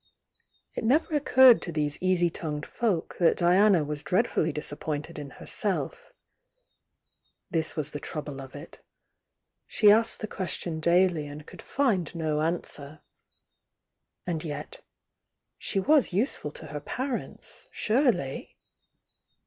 It never occurred to these easy tongued folk that Diana was dreadfully disappointed in herself. This 22 THE YOUNG DIANA was the trouble of it. She asked the question daily and could find no answer. And yet,— she was use ful to her parents surely?